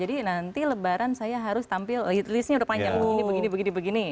nanti lebaran saya harus tampil listnya udah panjang begini begini